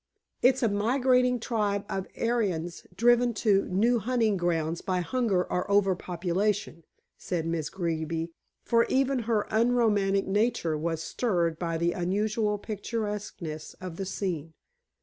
"It's a migrating tribe of Aryans driven to new hunting grounds by hunger or over population," said Miss Greeby, for even her unromantic nature was stirred by the unusual picturesqueness of the scene.